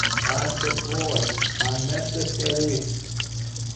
Mark that word "unnecessary".